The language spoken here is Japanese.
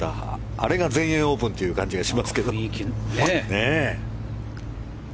あれが全英オープンという感じがしますけど。